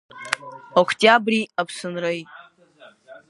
Октиабри Аԥсынреи.